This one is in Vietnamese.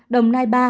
đồng nai ba